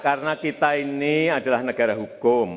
karena kita ini adalah negara hukum